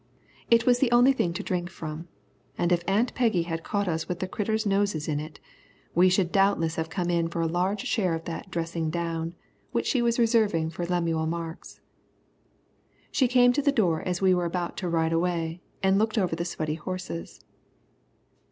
It was the only thing to drink from, and if Aunt Peggy had caught us with the "critters'" noses in it we should doubtless have come in for a large share of that "dressing down" which she was reserving for Lemuel Marks. She came to the door as we were about to ride away and looked over the sweaty horses.